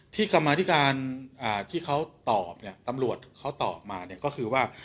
ที่กำมาที่การที่เขาตอบตำรวจเขาตอบมาก็คือว่า